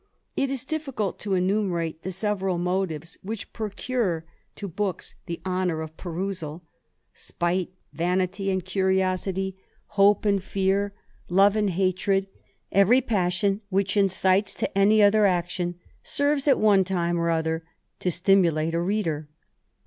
It is difficult to enumerate the several motives which procure to books the honour of perusal : spite, vanity, and curiosity, hope and fear, love and hatred, every passioa which incites to any other action serves at one time or other to stimulate a reader.